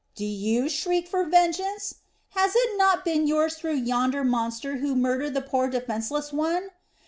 Do you shriek for vengeance? Has it not been yours through yonder monster who murdered the poor defenceless one?